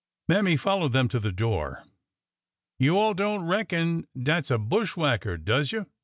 Mammy followed them to the door. ''You all don't reckon dat 's a bushwhacker, does you?"